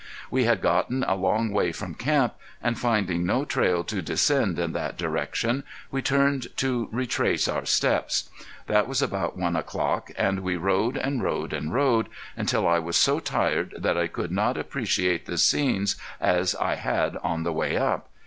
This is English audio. We had gotten a long way from camp, and finding no trail to descend in that direction we turned to retrace our steps. That was about one o'clock, and we rode and rode and rode, until I was so tired that I could not appreciate the scenes as I had on the way up.